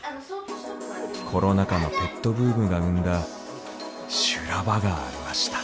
コロナ禍のペットブームが生んだ修羅場がありました。